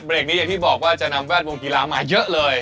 นี้อย่างที่บอกว่าจะนำแวดวงกีฬามาเยอะเลย